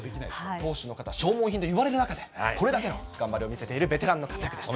投手の方、消耗品といわれる中で、これだけの頑張りを見せているベテランの活躍でした。